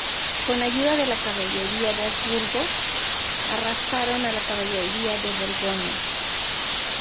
Con ayuda de la caballería de Habsburgo arrasaron a la caballería de Borgoña.